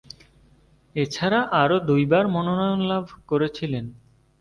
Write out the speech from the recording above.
এছাড়া আরও দুইবার মনোনয়ন লাভ করেছিলেন।